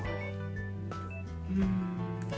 うん。